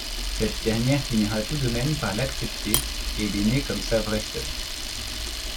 Cette dernière finira tout de même par l’accepter et l’aimer comme sa vraie sœur.